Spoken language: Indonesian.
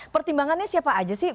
pertimbangannya siapa aja sih